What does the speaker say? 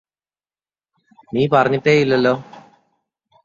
നീ പറഞ്ഞിട്ടേയില്ലല്ലോ